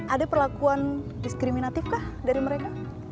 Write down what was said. ada perlakuan diskriminatif kah dari mereka